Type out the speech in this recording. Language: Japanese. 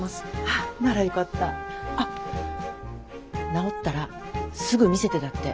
あっ直ったらすぐ見せてだって。